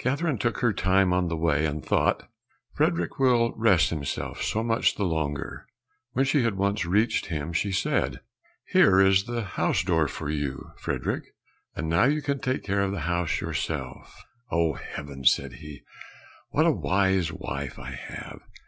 Catherine took her time on the way, and thought, "Frederick will rest himself so much the longer." When she had once reached him she said, "Here is the house door for you, Frederick, and now you can take care of the house yourself." "Oh, heavens," said he, "what a wise wife I have!